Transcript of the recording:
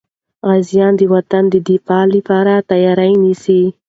غازیان د وطن د دفاع لپاره تیاري نیسي.